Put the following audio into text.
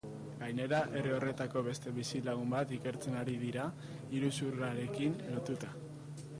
Gainera, herri horretako beste bizilagun bat ikertzen ari dira iruzurrarekin lotuta.